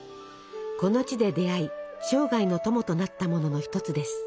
この地で出会い生涯の友となったものの一つです。